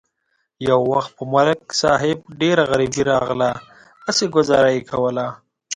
یو وخت په ملک صاحب ډېره غریبي راغله، هسې گذاره یې کوله.